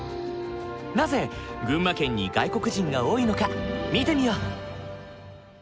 なぜ群馬県に外国人が多いのか見てみよう。